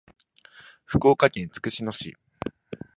福岡県筑紫野市